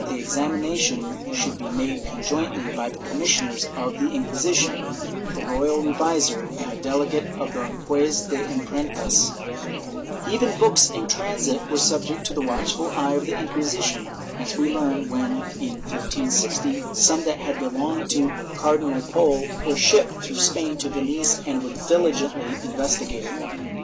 de Valencia, Leg. 374. 508 CENSORSHIP [Book VIH nation should be made conjointly by the commissioners of the Inquisition, the royal revisor and a delegate of the juez de impren tos/ Even books in transit were subject to the watchful eye of the Inquisition, as we learn when, in 1560, some that had belonged to Cardinal Pole were shipped through Spain to Venice and were diligently investigated.